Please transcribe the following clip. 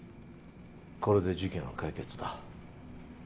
これで事件は解決だ。